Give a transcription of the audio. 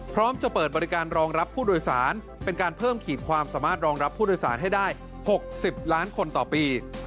พร้อมจะเปิดบริการรองรับผู้โดยสารเป็นการเพิ่มขีดความสามารถรองรับผู้โดยสารให้ได้๖๐ล้านคนต่อปี